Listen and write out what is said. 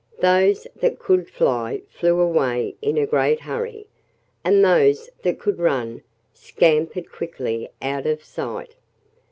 Those that could fly flew away in a great hurry. And those that could run scampered quickly out of sight.